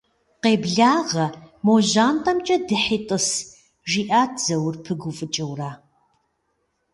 Къеблагъэ, мо жьантӏэмкӏэ дыхьи тӏыс, - жиӏэт Заур пыгуфӏыкӏыурэ.